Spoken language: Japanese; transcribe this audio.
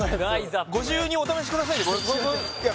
「ご自由にお試しください」でいや